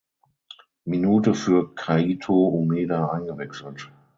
Minute für Kaito Umeda eingewechselt.